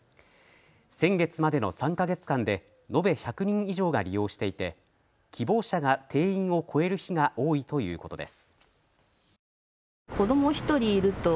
先月までの３か月間で延べ１００人以上が利用していて希望者が定員を超える日が多いということです。